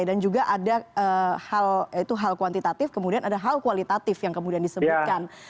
dan juga ada hal itu hal kuantitatif kemudian ada hal kualitatif yang kemudian disebutkan